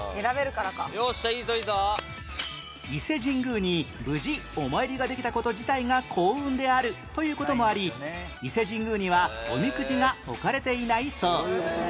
伊勢神宮に無事お参りができた事自体が幸運であるという事もあり伊勢神宮にはおみくじが置かれていないそう